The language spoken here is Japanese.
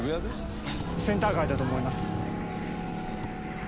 センター街だと思います。